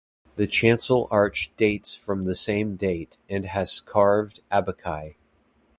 The chancel arch dates from the same date and has carved abaci.